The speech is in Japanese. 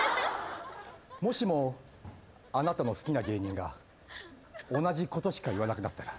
もしもあなたの好きな芸人が同じことしか言わなくなったら？